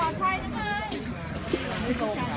นู้ใส่พิมพ์สีขาว